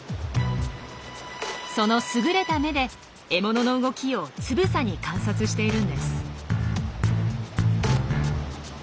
その優れた目で獲物の動きをつぶさに観察しているんです。